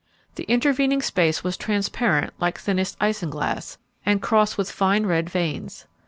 The intervening space was transparent like thinnest isinglass, and crossed with fine red veins.